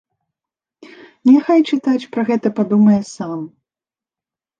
Няхай чытач пра гэта падумае сам.